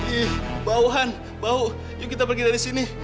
ih bau han bau yuk kita pergi dari sini